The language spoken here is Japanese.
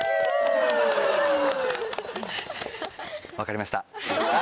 ・分かりました。